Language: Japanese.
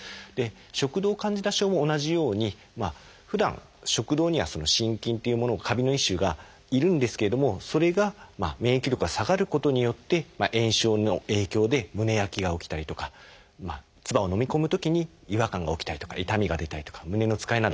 食道カンジダ症も同じようにふだん食道には真菌っていうものカビの一種がいるんですけれどもそれが免疫力が下がることによって炎症の影響で胸焼けが起きたりとか唾をのみ込むときに違和感が起きたりとか痛みが出たりとか胸のつかえなどが起きる。